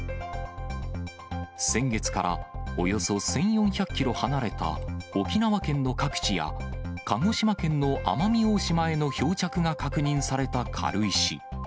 先月からおよそ１４００キロ離れた沖縄県の各地や、鹿児島県の奄美大島への漂着が確認された軽石。